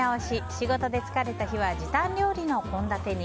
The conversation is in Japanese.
仕事で疲れた日は時短料理の献立に。